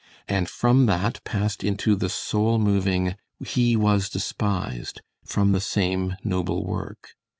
And from that passed into the soul moving "He Was Despised" from the same noble work.